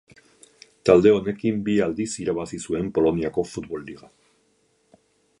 Talde honekin bi aldiz irabazi zuen Poloniako Futbol Liga.